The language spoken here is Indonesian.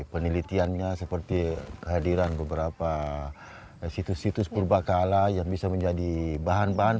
penelitiannya seperti kehadiran beberapa situs situs purba kala yang bisa menjadi bahan bahan